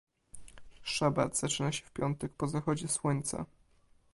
Szabat zaczyna się w piątek po zachodzie słońca.